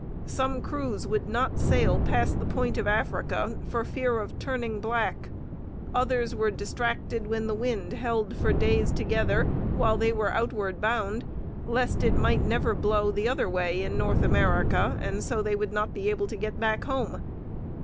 Some crews would not sail past the point of Africa for fear of turning black. Others were distracted when the wind held for days together while they were outward bound, lest it might never blow the other way in North America, and so they would not be able to get back home.